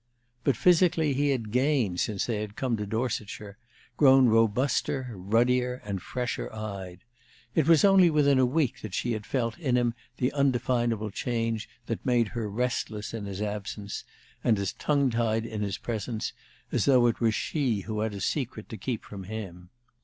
But physically he had gained since they had come to Dorsetshire, grown robuster, ruddier, and fresher eyed. It was only within a week that she had felt in him the undefinable change that made her restless in his absence, and as tongue tied in his presence as though it were she who had a secret to keep from him!